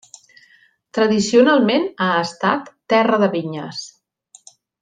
Tradicionalment ha estat terra de vinyes.